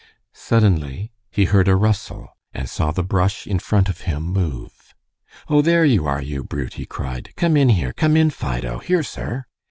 Suddenly he heard a rustle, and saw the brush in front of him move. "Oh, there you are, you brute," he cried, "come in here. Come in, Fido. Here, sir!"